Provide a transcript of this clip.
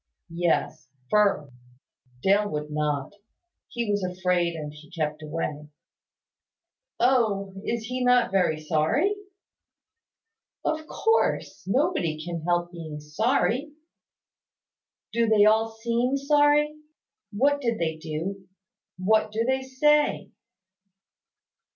"Yes, Firth. Dale would not. He was afraid and he kept away." "Oh! Is not he very sorry?" "Of course. Nobody can help being sorry." "Do they all seem sorry? What did they do? What do they say?"